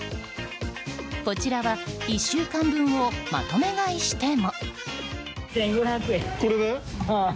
こちらは１週間分をまとめ買いしても。